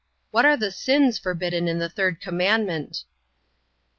What are the sins forbidden in the third commandment?